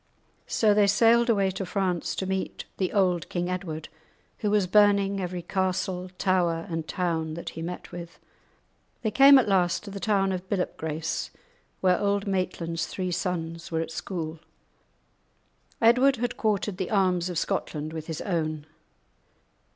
So they sailed away to France to meet the old King Edward, who was burning every castle, tower, and town that he met with. They came at last to the town of Billop Grace, where Auld Maitland's three sons were at school. Edward had quartered the arms of Scotland with his own.